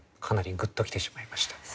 かなりグッときてしまいました。